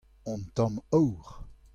un tamm aour.